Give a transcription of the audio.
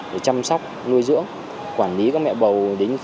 để chăm sóc nuôi dưỡng quản lý mẹ bầu